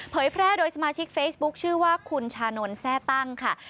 แพร่โดยสมาชิกเฟซบุ๊คชื่อว่าคุณชานนท์แทร่ตั้งค่ะ